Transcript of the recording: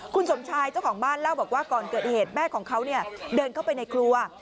คุณสมชายเจ้าของบ้านเล่าบอกว่าก่อนเกิดเหตุแม่ของเขาเดินเข้าไปในครัว